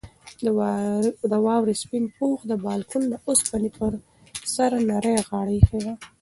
د واورې سپین پوښ د بالکن د اوسپنې پر سر نرۍ غاړه ایښې وه.